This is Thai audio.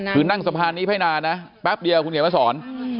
คือนั่งสะพานนี้ไปนานนะแป๊บเดียวคุณเขียนมาสอน